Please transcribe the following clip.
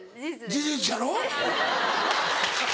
事実やろ。